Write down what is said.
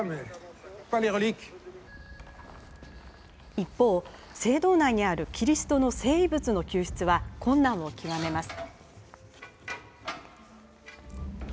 一方、聖堂内にあるキリストの聖遺物の救出は困難を極めます。